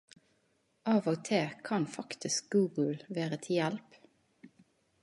Av og til kan faktisk Google vere til hjelp.